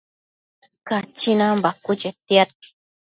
Cachinan bacuë chetiad